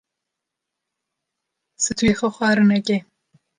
Stûyê xwe xwar neke.